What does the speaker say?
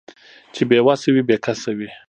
چې بې وسه وي بې کسه وي